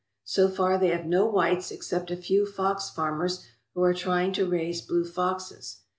So far they have no whites except a few fox farmers who are trying to raise blue foxes.